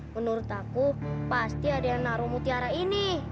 menurut aku pasti ada yang naruh mutiara ini